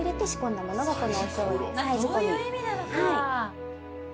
そういう意味なのか。